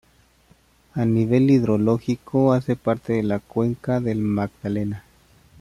A nivel hidrológico hace parte de la cuenca del Magdalena.